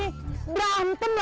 ayo berikut pada